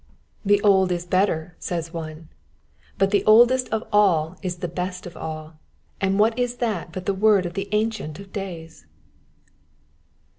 "The old is better'* says one: but the oldest of all is the best of all, and what is that bat the word of the Ancient of days